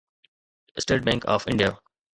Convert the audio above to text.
state Bank of India